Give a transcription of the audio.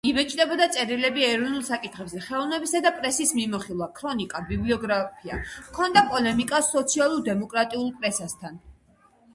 იბეჭდებოდა წერილები ეროვნულ საკითხებზე, ხელოვნებისა და პრესის მიმოხილვა, ქრონიკა, ბიბლიოგრაფია; ჰქონდა პოლემიკა სოციალურ-დემოკრატიულ პრესასთან.